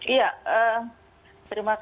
iya terima kasih